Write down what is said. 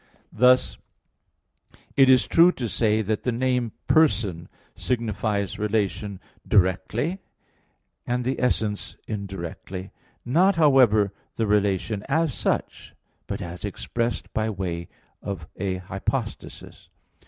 Thus it is true to say that the name "person" signifies relation directly, and the essence indirectly; not, however, the relation as such, but as expressed by way of a hypostasis.